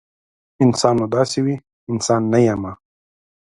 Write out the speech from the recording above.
انسان نو داسې وي؟ انسان نه یمه